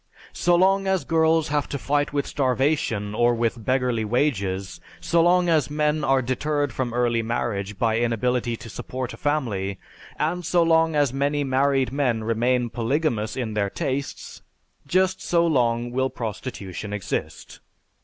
So long as girls have to fight with starvation or with beggarly wages, so long as men are deterred from early marriage by inability to support a family, and so long as many married men remain polygamous in their tastes, just so long will prostitution exist.